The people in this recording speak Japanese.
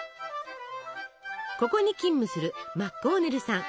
ここに勤務するマッコーネルさん。